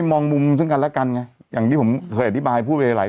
มองมุมซึ่งกันและกันไงอย่างที่ผมเคยอธิบายพูดไปหลาย